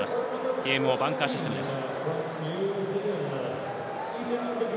ＴＭＯバンカーシステムです。